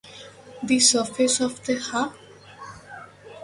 The surface of the Ha!